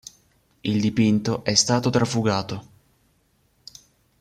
Il dipinto è stato trafugato.